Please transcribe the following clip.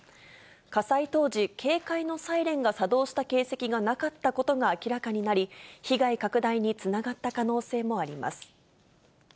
火災当時、警戒のサイレンが作動した形跡がなかったことが明らかになり、被害拡大につながった可能性もあります。